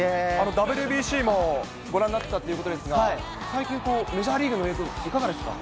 ＷＢＣもご覧になってたということですが、最近、こう、メジャーリーグの映像、いかがですか。